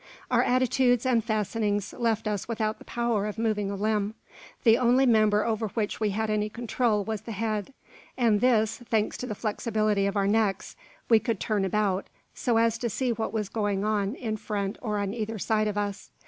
Our attitudes and fastenings left us without the power of moving a limb. The only member over which we had any control was the head; and this, thanks to the flexibility of our necks, we could turn about, so as to see what was going on in front or on either side of us.